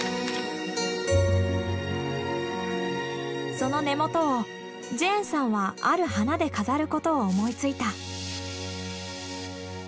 その根元をジェーンさんはある花で飾ることを思いついた。